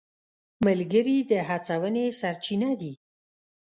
ملګري د هڅونې سرچینه دي.